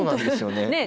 ねえ。